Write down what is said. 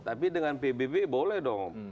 tapi dengan pbb boleh dong